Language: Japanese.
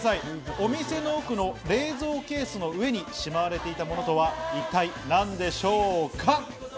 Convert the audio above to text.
お店の奥の冷蔵ケースの上に、しまわれていたものとは一体何でしょうか？